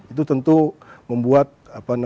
itu tentu membuatnya lebih mahal ya pak ya